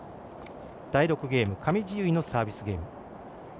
第６ゲーム、上地結衣のサービスゲーム。